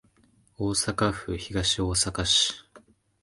大阪府東大阪市